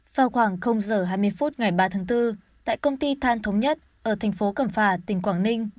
vào khoảng h hai mươi phút ngày ba tháng bốn tại công ty than thống nhất ở thành phố cẩm phà tỉnh quảng ninh